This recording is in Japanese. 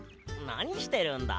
なにしてるんだ？